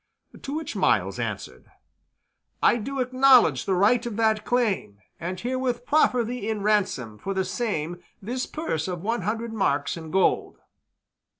To which Myles answered, "I do acknowledge the right of that claim, and herewith proffer thee in ransom for the same this purse of one hundred marks in gold."